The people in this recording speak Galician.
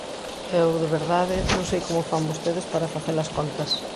Eu, de verdade, non sei como fan vostedes para facer as contas.